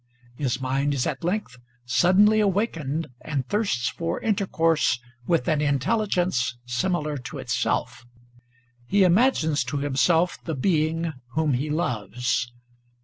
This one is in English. His mind is at length suddenly awakened and thirsts for intercourse with an intellig'ence similar to itself. He imag es to himself the Being whom he loves.